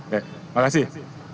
baik terima kasih